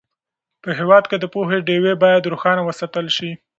په هېواد کې د پوهې ډېوې باید روښانه وساتل سي.